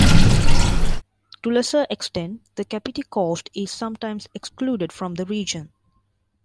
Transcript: To a lesser extent, the Kapiti Coast is sometimes excluded from the region.